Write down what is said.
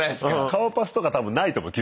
顔パスとか多分ないと思う。